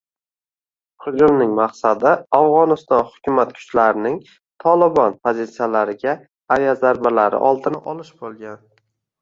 Hujumning maqsadi Afg‘oniston hukumat kuchlarining “Tolibon” pozitsiyalariga aviazarbalari oldini olish bo‘lgan